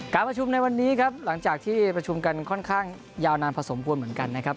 การประชุมในวันนี้หลังจากที่ประชุมกันยาวนานที่สมควรเหมือนกันนะครับ